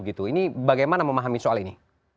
ini bagaimana memahami soal ini